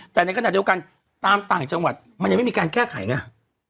แต่ในขณะเดียวกันตามต่างจังหวัดมันยังไม่มีการแก้ไขไง